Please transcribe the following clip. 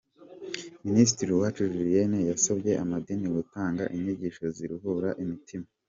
Minisitiri uwacu Julienne yasabye amadini gutanga inyigisho ziruhura imitima.